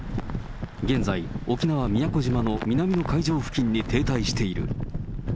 現在、沖縄・宮古島の南の海上付近に停滞している。